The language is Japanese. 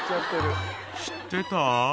「知ってた？」